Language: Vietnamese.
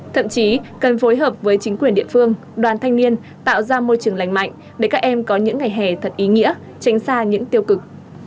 thậm chí cần phối hợp với chính quyền địa phương đoàn thanh niên tạo ra môi trường lành mạnh để các em có những ngày hè thật ý nghĩa tránh xa những tiêu cực